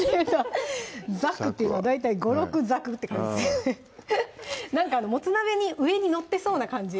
ざくっていうのは大体５６ざくって感じですなんかもつ鍋に上に載ってそうな感じ